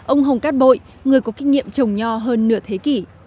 ông hồng cát bội người có kinh nghiệm trồng nho hơn nửa thế kỷ